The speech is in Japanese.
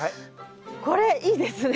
これいいですね。